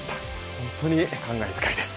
本当に感慨深いです。